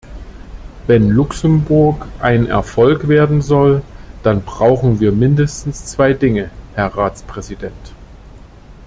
Wenn Luxemburg ein Erfolg werden soll, dann brauchen wir mindestens zwei Dinge, Herr Ratspräsident.